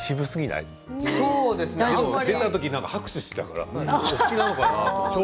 拍手をしていたからお好きなのかと思って。